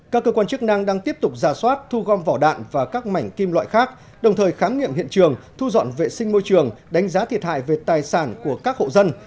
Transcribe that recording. các cơ quan chức năng đang tiếp tục giả soát thu gom vỏ đạn và các mảnh kim loại khác đồng thời khám nghiệm hiện trường thu dọn vệ sinh môi trường đánh giá thiệt hại về tài sản của các hộ dân